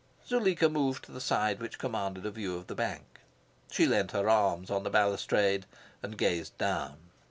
Zuleika moved to the side which commanded a view of the bank. She leaned her arms on the balustrade, and gazed down.